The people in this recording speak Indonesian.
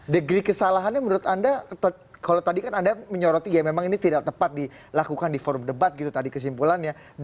degree kesalahannya menurut anda kalau tadi kan anda menyoroti ya memang ini tidak tepat dilakukan di forum debat gitu tadi kesimpulannya